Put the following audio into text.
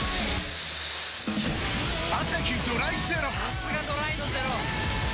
さすがドライのゼロ！